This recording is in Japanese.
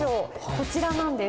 こちらなんです。